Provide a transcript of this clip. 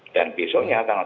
dan besoknya tanggal sebelas